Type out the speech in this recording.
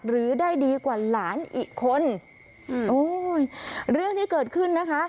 หรือได้ดีกว่าหลานอีกคนอืมโอ้ยเรื่องที่เกิดขึ้นนะคะ